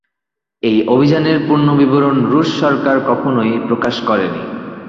এই অভিযানের পূর্ণ বিবরণ রুশ সরকার কখনোই প্রকাশ করে নি।